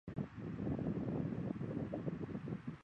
僖宗起崔安潜为检校右仆射。